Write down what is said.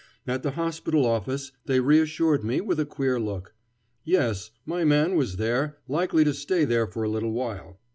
At the hospital office they reassured me with a queer look. Yes; my man was there, likely to stay there for a little while.